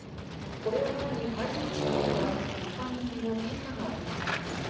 これを前に会場近くでは一般向けの献花が行われています。